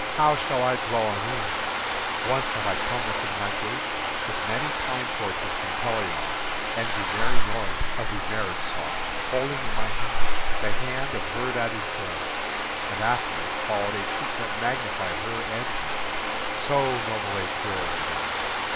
how shall I dwell in thee? Once I came within thy gates with many pine torches from Pelion, and the merry noise of the marriage song, holding in my hand the hand of her that is dead; and after us followed a troop that magnified her and me, so noble a pair we were.